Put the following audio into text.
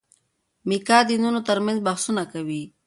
میکا د دینونو ترمنځ بحثونه کوي.